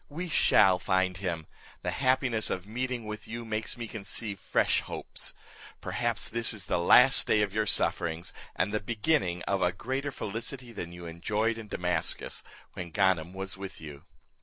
We shall find him; the happiness of meeting with you makes me conceive fresh hopes. Perhaps this is the last day of your sufferings, and the beginning of a greater felicity than you enjoyed in Damascus, when Ganem was with you."